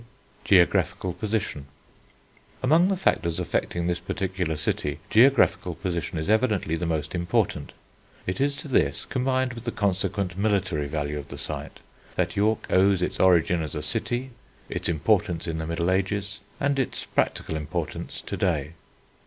GEOGRAPHICAL POSITION Among the factors affecting this particular city geographical position is evidently the most important. It is to this, combined with the consequent military value of the site, that York owes its origin as a city, its importance in the Middle Ages, and its practical importance to day.